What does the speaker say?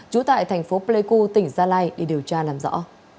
trú tại thành phố pleiku tỉnh gia lai để điều tra làm rõ